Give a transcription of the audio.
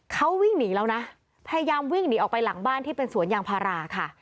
เขาวิ่งหนีแล้วนะพยายามวิ่งหนีออกไปหลังบ้านที่เป็นสวนยางพาราค่ะ